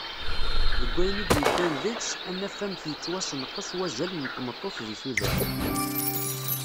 Deg wayen i d-yeddan deg-s, ad naf amek ittwasenqes wazal n tmeṭṭut di tudert.